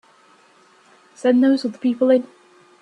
Send those other people in.